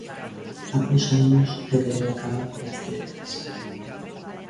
Acúsannos de querer acabar coas dietas.